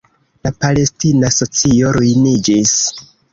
La palestina socio ruiniĝis.